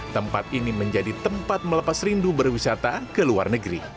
tempat ini menjadi tempat melepas rindu berwisata ke luar negeri